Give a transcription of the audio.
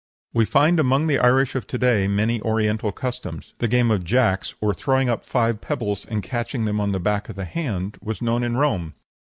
We find among the Irish of to day many Oriental customs. The game of "jacks," or throwing up five pebbles and catching them on the back of the hand, was known in Rome.